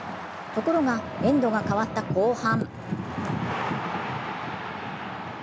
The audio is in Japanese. ところがエンドが変わった後半。